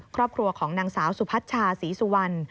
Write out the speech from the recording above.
ครอบครัวของนางสาวสุพัชชาศรีสุวรรณ